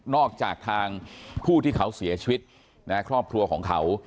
จากทางผู้ที่เขาเสียชีวิตครอบครัวของเขา